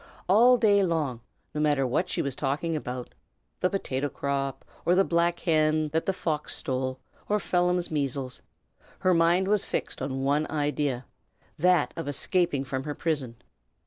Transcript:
All day long, no matter what she was talking about, the potato crop, or the black hen that the fox stole, or Phelim's measles, her mind was fixed on one idea, that of escaping from her prison.